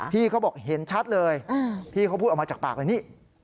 พี่เขาบอกเห็นชัดเลยพี่เขาพูดออกมาจากปากเลยนี่